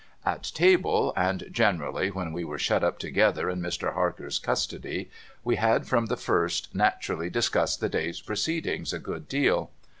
At table, and generally when we were shut up together in Mr. Marker's custody, we had from the first naturally discussed the day's proceedings a good deal.